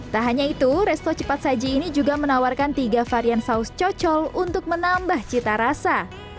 tak hanya itu resto cepat saji ini juga menawarkan tiga varian saus cocol untuk menambah cita rasa